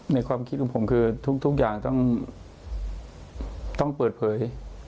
ความคิดของผมคือทุกอย่างต้องเปิดเผย